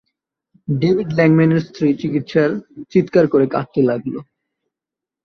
David ল্যাংম্যানের স্ত্রী চিৎকার করে কাঁদতে লাগল।